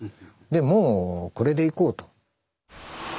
でもうこれでいこうと。